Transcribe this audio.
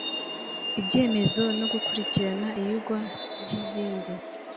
ibyemezo no gukurikirana iyigwa ry izindi